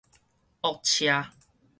僫車